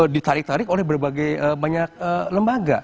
ditarik tarik oleh berbagai banyak lembaga